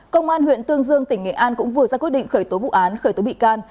công an huyện tương dương tỉnh nghệ an cũng vừa ra quyết định khởi tố vụ án khởi tố bị can